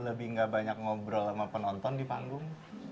lebih gak banyak ngobrol sama penonton di panggung